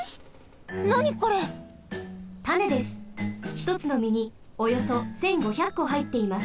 ひとつのみにおよそ１，５００こはいっています。